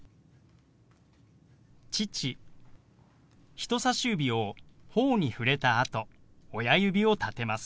人さし指をほおに触れたあと親指を立てます。